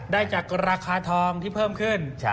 ได้จากราคาทองที่เพิ่มขึ้น